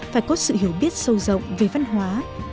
phải có sự hiểu biết sâu rộng về văn hóa